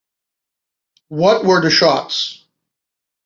What were the shots?